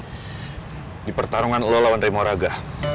di pertarungan lo lawan remoraga